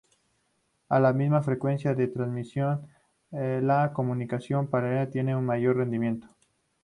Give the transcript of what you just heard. A la misma frecuencia de transmisión, la comunicación paralela tiene un mayor rendimiento.